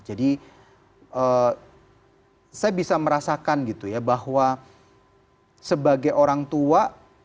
jadi saya bisa merasakan bahwa sebagai orang tua